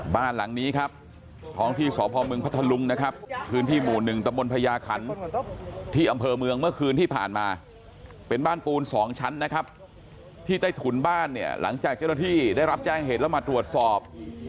บ้านหลังนี้ครับท้องที่สพเมืองพัทธลุงนะครับพื้นที่หมู่๑ตะมนต์พญาขันที่อำเภอเมืองเมื่อคืนที่ผ่านมาเป็นบ้านปูน๒ชั้นนะครับที่ใต้ถุนบ้านเนี่ยหลังจากเจ้าหน้าที่ได้รับแจ้งเหตุแล้วมาตรวจสอบ